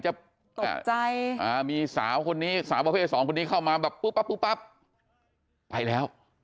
ตกใจมีสาวคนนี้สาวประเภทสองคนนี้เข้ามาแบบปุ๊บปั๊บปุ๊บปั๊บไปแล้ว